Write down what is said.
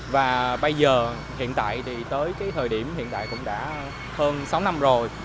và bây giờ hiện tại thì tới cái thời điểm hiện tại cũng đã hơn sáu năm rồi